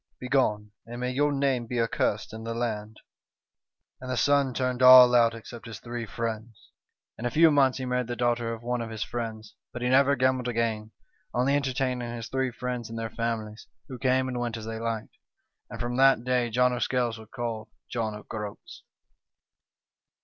Begone, and may your name be accursed in the land !' "And the son turned all out except his three friends. "In a few months he married the daughter of one of his friends ; but he never gambled again, only entertaining his three friends and their families, who came and went as they liked. " And from that day John o' Scales was called John o' Groats."